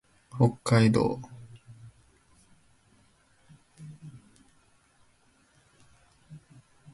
北海道士別市